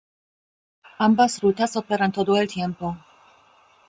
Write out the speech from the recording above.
Ambas rutas operan todo el tiempo.